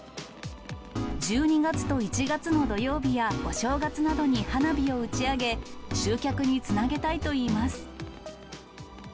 １２月と１月の土曜日やお正月などに花火を打ち上げ、集客につなげたいといいます。